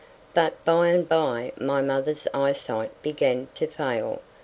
But by and by my mother's eye sight began to fail.